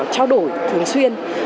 trao đổi thường xuyên